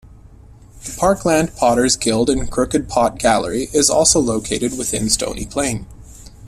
The Parkland Potters Guild and Crooked Pot Gallery is also located within Stony Plain.